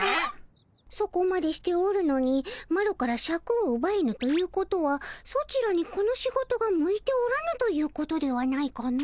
そこまでしておるのにマロからシャクをうばえぬということはソチらにこの仕事が向いておらぬということではないかの？